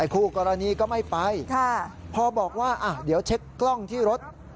คู่กรณีก็ไม่ไปพอบอกว่าเดี๋ยวเช็คกล้องที่รถ